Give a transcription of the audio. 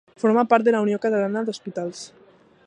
Forma part de la Unió Catalana d'Hospitals.